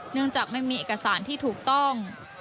เนื่องจากไม่มีเอกสารที่ถูกต้อง